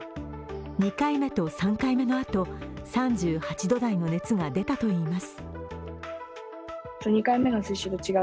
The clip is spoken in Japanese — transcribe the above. ２回目と３回目のあと、３８度台の熱が出たといいます。